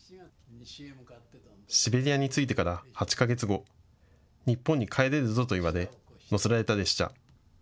シベリアについてから８か月後、日本に帰れるぞと言われ乗せられた列車。